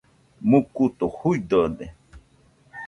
Mukutu juidode.